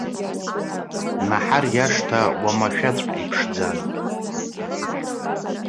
Наҳар иашҭа уамашәаҵәҟьа иԥшӡан.